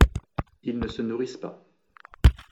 Ils ne se nourrissent pas.